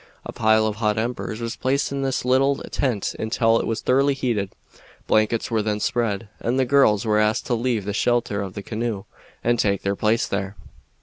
A pile of hot embers was placed in this little tent until it was thoroughly heated; blankets were then spread, and the girls were asked to leave the shelter of the canoe and take their place there.